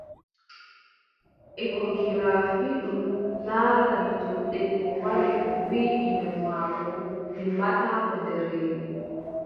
Ekogirafi, ɗum laarani to debbo wari o wii ɓiŋngel maako dimmbataako nder reedu,